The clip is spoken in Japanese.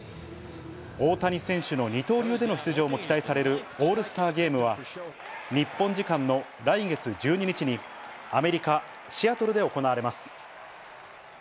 大谷選手の二刀流での出場も期待されるオールスターゲームは、日本時間の来月１２日に、アメリカ・シアトルで行われます。